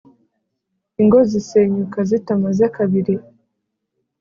ingo zisenyuka zitamaze kabiri